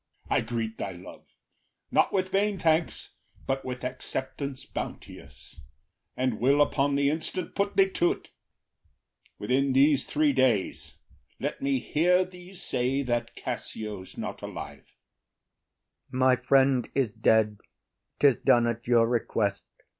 _] OTHELLO. I greet thy love, Not with vain thanks, but with acceptance bounteous, And will upon the instant put thee to ’t. Within these three days let me hear thee say That Cassio’s not alive. IAGO. My friend is dead. ’Tis done at your request.